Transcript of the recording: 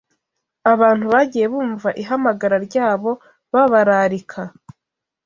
Abantu bagiye bumva ihamagara ryabo babararika